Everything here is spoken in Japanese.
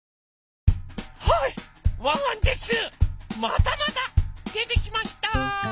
またまたでてきました！